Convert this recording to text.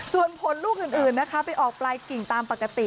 ส่วนผลลูกอื่นนะคะไปออกปลายกิ่งตามปกติ